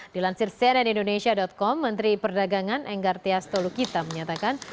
dilansir cnn indonesia com menteri perdagangan enggar theastolukita menyatakan